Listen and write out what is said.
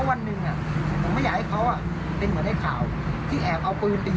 บาดแหกจากโรงพยาบาลเพราะตำรวจบอกว่าทำอะไรไม่ได้